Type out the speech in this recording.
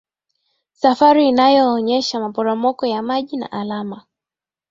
safari inayoonyesha maporomoko ya maji na alama